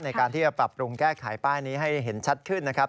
ในการที่จะปรับปรุงแก้ไขป้ายนี้ให้เห็นชัดขึ้นนะครับ